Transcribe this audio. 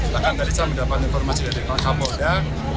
bahkan dari saya mendapatkan informasi dari kapolda